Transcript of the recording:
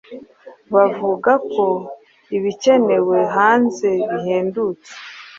Bavuga ko ibikenewe hanze bihendutse.